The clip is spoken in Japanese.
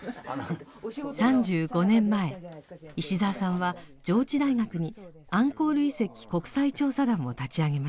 ３５年前石澤さんは上智大学にアンコール遺跡国際調査団を立ち上げました。